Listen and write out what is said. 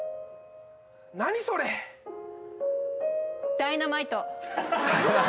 ダイナマイト！？